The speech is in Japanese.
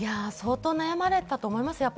相当悩まれたと思います。